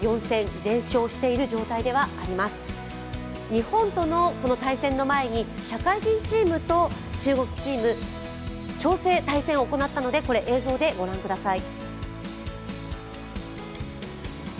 日本との対戦の前に社会人チームと中国チーム、調整、対戦を行ったので映像でご覧ください。